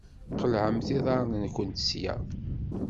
Qelɛemt iḍaṛṛen-nkent sya!